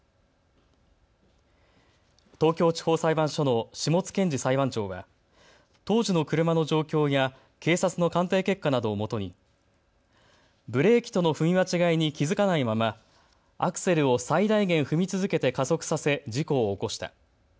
東京地方裁判所の下津健司裁判長は当時の車の状況や警察の鑑定結果などをもとにブレーキとの踏み間違いに気付かないまま、アクセルを最大限踏み続けて加速させ、事故を起こした。